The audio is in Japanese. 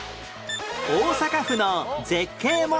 大阪府の絶景問題